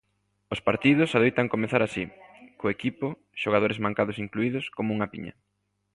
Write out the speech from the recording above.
Os partidos adoitan comezar así, co equipo, xogadores mancados incluídos, como unha piña.